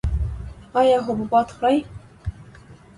ایا حبوبات خورئ؟